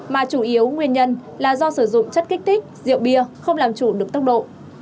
mà chủ yếu nguyên nhân là do sử dụng chất kích thích rượu bia không làm chủ được tốc độ